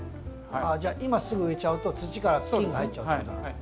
じゃあ今すぐ植えちゃうと土から菌が入っちゃうってことなんですか。